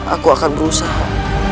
aku akan berusaha